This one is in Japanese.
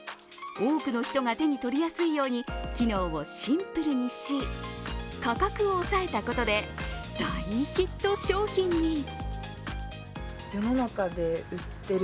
多くの人が手に取りやすいように機能をシンプルにし価格を抑えたことで大ヒット商品に。